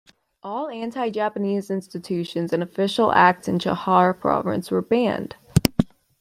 All anti-Japanese institutions and official acts in Chahar Province were banned.